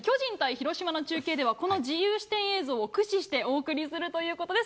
広島の中継では、この自由視点映像を駆使して、お送りするということです。